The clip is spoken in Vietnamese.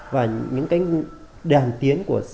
và những cái đàn tiến